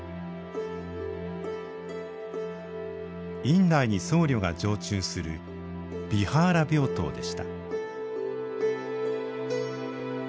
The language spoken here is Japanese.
院内に僧侶が常駐するビハーラ病棟でした。